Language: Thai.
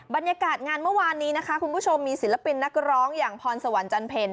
บรรยากาศงานเมื่อวานนี้นะคะคุณผู้ชมมีศิลปินนักร้องอย่างพรสวรรค์จันเพล